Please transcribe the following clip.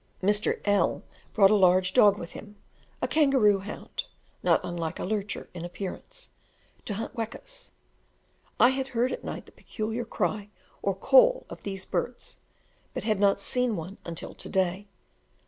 Mr. L brought a large dog with him, a kangaroo hound (not unlike a lurcher in appearance), to hunt the wekas. I had heard at night the peculiar cry or call of these birds, but had not seen one until to day.